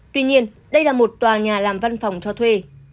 tuy nhiên đây là một tòa nhà làm văn phòng cho thuê